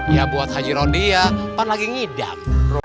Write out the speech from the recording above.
ya buat haji rodya pan lagi ngidam